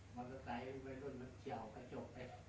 มันก็ใส่ไว้รุ่นมันเฉียวก็จบไป